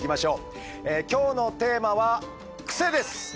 今日のテーマは「クセ」です。